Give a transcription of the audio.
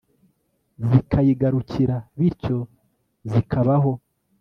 zikayigarukira bityo zikabaho